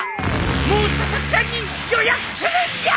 もう佐々木さんに予約するんじゃー！